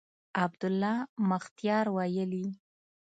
عبدالله مختیار ویلي